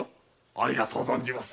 ありがとう存じます。